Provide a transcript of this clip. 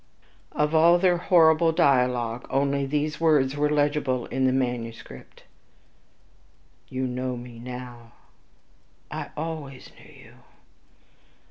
..... Of all their horrible dialogue, only these words were legible in the manuscript, "You know me now." "I always knew you."